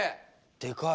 でかい。